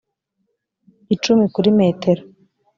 icumi kuri metero